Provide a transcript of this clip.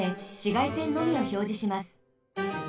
がいせんのみをひょうじします。